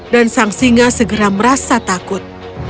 dan sang singa segera merasa takut